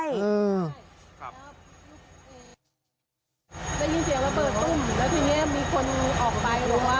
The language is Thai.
ได้ยินเสียงระเบิดตุ้มแล้วทีนี้มีคนออกไปบอกว่า